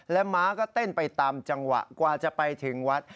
และม้าก็เต้นไปตามจังหวะกว่าจะไปถึงวัด